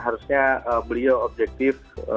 harusnya beliau objektif